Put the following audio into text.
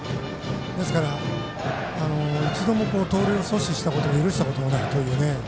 ですから、一度も盗塁を阻止したことも許したこともないというね。